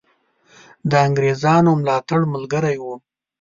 د انګرېزانو ملاتړ ملګری وو.